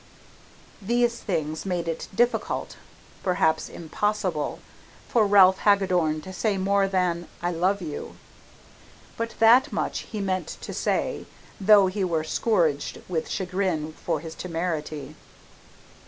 These things made it difficult perhaps impossible for Ralph Hagadorn to say more than, "I love you." But that much he meant to say though he were scourged with chagrin for his temerity.